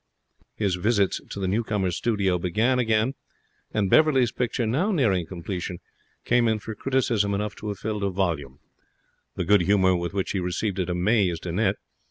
His visits to the newcomer's studio began again, and Beverley's picture, now nearing completion, came in for criticism enough to have filled a volume. The good humour with which he received it amazed Annette.